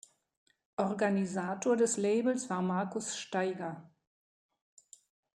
Organisator des Labels war Marcus Staiger.